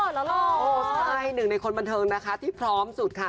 ต้องเปิดแล้วหรอโอ้ใช่หนึ่งในคนบรรเทิงนะคะที่พร้อมสุดค่ะ